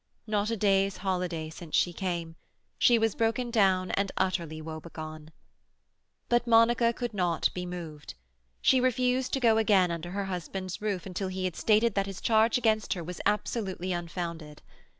Not a day's holiday since she came. She was broken down and utterly woebegone. But Monica could not be moved. She refused to go again under her husband's roof until he had stated that his charge against her was absolutely unfounded.